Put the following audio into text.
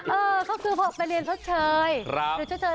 เออเขาคือพอไปเรียนชดเชย